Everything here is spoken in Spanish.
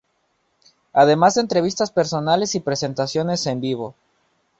Además de entrevistas personales y presentaciones en vivo.